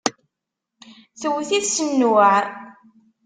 Tewwet-it s nnuɛ.